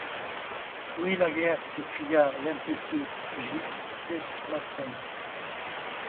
Oui, la guerre! s’écria l’impétueux J.-T. Maston.